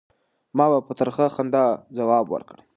ما په ترخه خندا ځواب ورکړ.